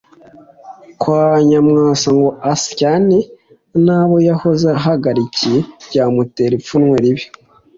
kwa nyamwasa ngo asyane n’abo yahoze ahagarikiye byamutera ipfunwe ribi?”